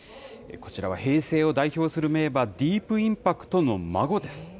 こちらは平成を代表する名馬、ディープインパクトの孫です。